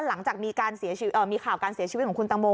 หลังจากมีข่าวการเสียชีวิตของคุณตังโม